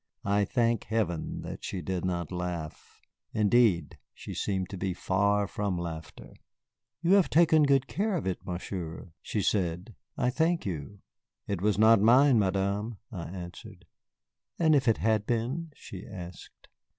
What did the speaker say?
I thank Heaven that she did not laugh. Indeed, she seemed to be far from laughter. "You have taken good care of it, Monsieur," she said. "I thank you." "It was not mine, Madame," I answered. "And if it had been?" she asked.